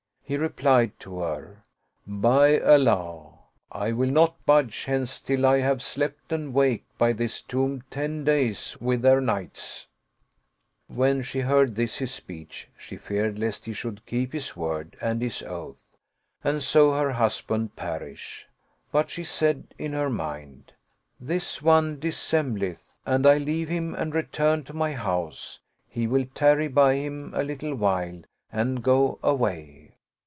He replied to her, " By Allah, I will not budge hence till I have slept and waked by this tomb ten days with their nights !" When she heard this his speech, she feared lest he should keep his word and his oath, and so her husband perish ; but she said in her mind, " This one dissembleth: an I leave him and return to my house, he will tarry by him a little while and go away."